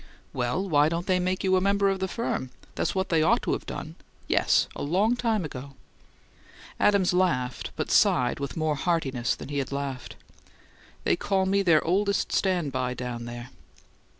"Well, why don't they make you a member of the firm? That's what they ought to've done! Yes, and long ago!" Adams laughed, but sighed with more heartiness than he had laughed. "They call me their 'oldest stand by' down there."